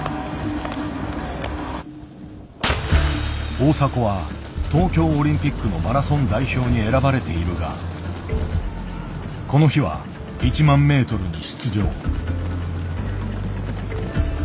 大迫は東京オリンピックのマラソン代表に選ばれているがこの日は１万メートルに出場。